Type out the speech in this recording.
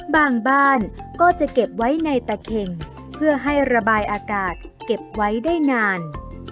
บ้านก็จะเก็บไว้ในตะเข่งเพื่อให้ระบายอากาศเก็บไว้ได้นาน